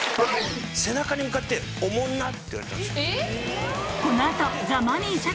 背中に向かって「おもんな」って言われたんですよ。